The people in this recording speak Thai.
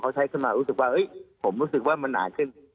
เขาก็มันหนาขึ้น